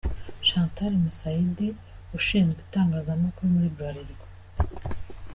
Chantal Musaidi ushinzwe itangazamakuru muri Bralirwa.